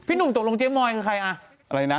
หนุ่มตกลงเจ๊มอยคือใครอ่ะอะไรนะ